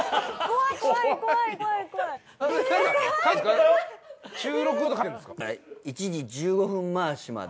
だから１時１５分回しまで。